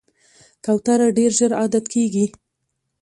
کوتره ډېر ژر عادت کېږي.